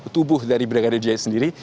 tubuh dari brigadir j sendiri